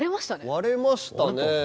割れましたね。